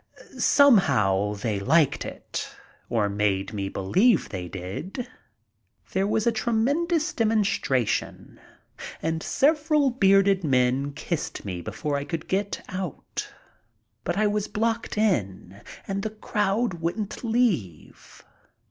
Somehow they liked it, or made me believe they did. There was a tremendous demonstration and several bearded men kissed me before I could get out. But I was blocked in and the crowd wouldn't leave.